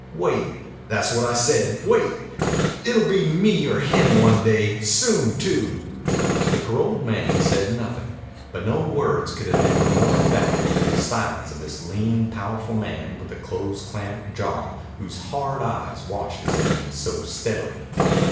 Wait. Tha's what I say. Wait. It'll be me or him one day. Soon, too." The paroled man said nothing, but no words could have been more effective than the silence of this lean, powerful man with the close clamped jaw whose hard eyes watched his enemy so steadily.